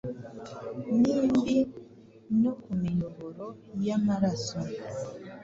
nimbi no ku miyoboro y’amaraso,